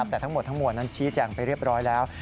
แต่ทั้งหมดทั้งมวลนั้นชี้แจงไปเรียบร้อยแล้ว